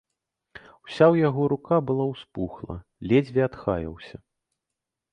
Уся ў яго рука была ўспухла, ледзьве адхаяўся.